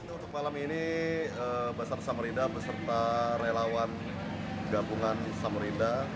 untuk malam ini basar samarinda beserta relawan gabungan samarinda